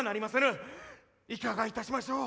いかがいたしましょう？